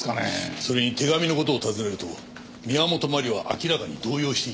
それに手紙の事を尋ねると宮本真理は明らかに動揺していた。